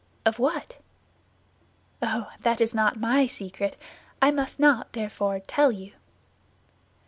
"Of what?" "Oh, that is not my secret; I must not, therefore, tell you."